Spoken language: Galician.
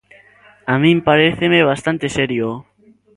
A min paréceme bastante serio.